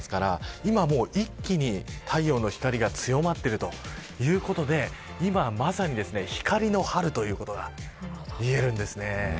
今、一気に太陽の光が強まっているということで今、まさに光の春ということがいえるんです。